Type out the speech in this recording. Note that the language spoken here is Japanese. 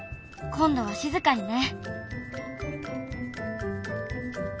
今度は静かにね。